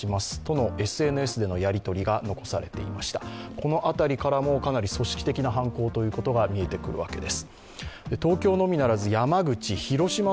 この辺りからもかなり組織的な犯行ということが見えてきます。